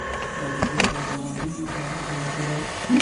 له طبیعت سره د همغږۍ ادعا غلطه ده.